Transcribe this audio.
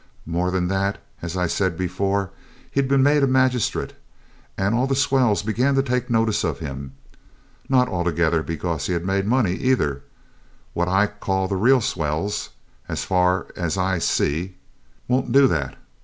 More than that, as I said before, he'd been made a magistrate, and all the swells began to take notice of him not altogether because he'd made money either; what I call the real swells, as far as I see, won't do that.